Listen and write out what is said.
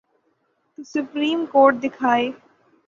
تو supreme court دکھائے۔